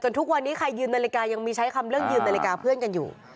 ทุกวันนี้ใครยืนนาฬิกายังมีใช้คำเรื่องยืมนาฬิกาเพื่อนกันอยู่